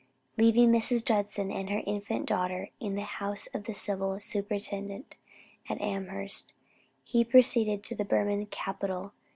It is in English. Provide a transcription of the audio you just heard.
Leaving Mrs. Judson and her infant daughter in the house of the civil superintendent at Amherst, he proceeded to the Burman capital.